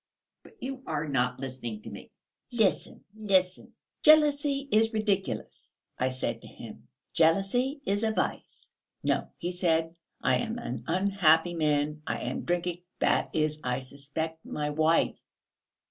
But you are not listening to me. Listen, listen! 'Jealousy is ridiculous,' I said to him; 'jealousy is a vice!'... 'No,' he said; 'I am an unhappy man! I am drinking ... that is, I suspect my wife.'